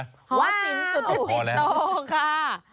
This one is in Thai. หอศิลป์สุทธจิตโตค่ะว้าวพอแล้ว